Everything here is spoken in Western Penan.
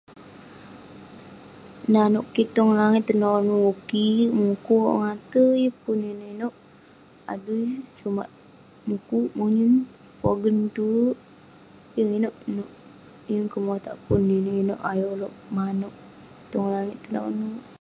Nanouk kik tong langit tenonu kik..mukuk ngate, yeng pun inouk inouk adui. Sumak, mukuk, monyun..pogen tuwerk ..yeng inouk nouk..yeng kemotak pun inouk inouk ayuk ulouk manouk tong langit tenonu..